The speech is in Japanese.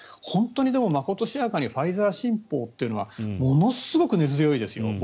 本当にまことしやかにファイザー信奉というのはものすごく根強いですよ。